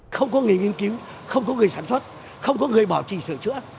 không có người nghiên cứu không có người sản xuất không có người bảo trì sửa chữa